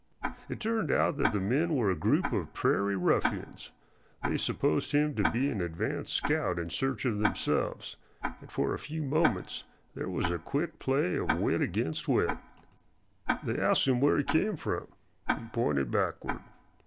It turned out that the men were a group of prairie ruffians. They supposed him to be an advance scout in search of themselves, and for a few moments there was a quick play of wit against wit. They asked him where he came from. He pointed backward.